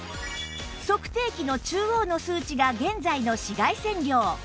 測定器の中央の数値が現在の紫外線量